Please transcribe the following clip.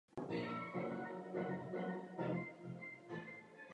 To ukazuje, jak je termín přípravky na ochranu rostlin absurdní.